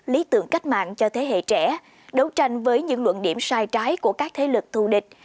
lý tưởng cách mạng cho thế hệ trẻ đấu tranh với những luận điểm sai trái của các thế lực thù địch